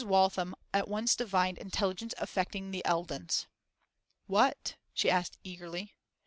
Waltham at once divined intelligence affecting the Eldons. 'What?' she asked eagerly.